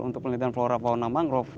untuk penelitian flora fauna mangrove